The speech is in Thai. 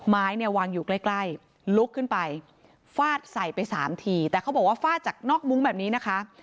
ไม้เนี่ยวางอยู่ใกล้ใกล้ลุกขึ้นไปฟาดใส่ไปสามทีแต่เขาบอกว่าฟาดจากนอกมุ้งแบบนี้นะคะ